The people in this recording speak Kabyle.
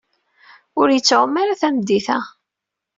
Ur yettɛumu ara tameddit-a.